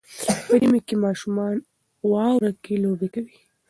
په ژمي کې ماشومان واوره کې لوبې کوي.